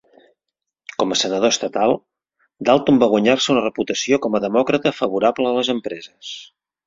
Com senador estatal, Dalton va guanyar-se una reputació com a demòcrata favorable a les empreses.